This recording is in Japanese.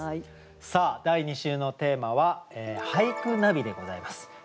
さあ第２週のテーマは「俳句ナビ」でございます。